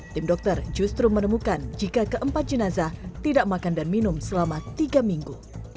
tim dokter justru menemukan jika keempat jenazah tidak makan dan minum selama tiga minggu